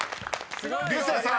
［竜星さん